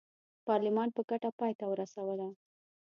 پارلمان په ګټه پای ته ورسوله.